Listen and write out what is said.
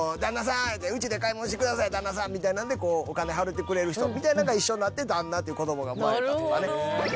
「うちで買い物してくださいよ旦那さん」みたいなんでお金払うてくれる人みたいなんが一緒になって「旦那」という言葉が生まれたとかね。